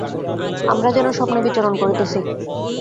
আমরা যেন স্বপ্নে বিচরণ করিতেছি।